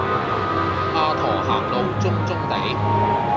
阿駝行路中中地